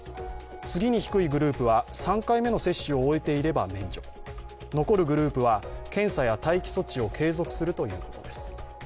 次に低いグループは３回目の接種を終えていれば免除、残るグループは、検査や待機措置を継続するということです。